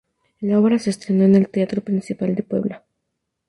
La obra se estrenó en el teatro principal de Puebla.